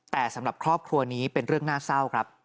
แต่สำหรับครอบครัวนี้เป็นเรื่องน่าเศร้าครับ